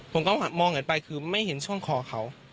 ผมก็มองกันไปคือไม่เห็นช่วงคอเขา